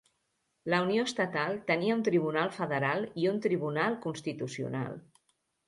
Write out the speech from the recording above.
La Unió Estatal tenia un Tribunal Federal i un Tribunal Constitucional.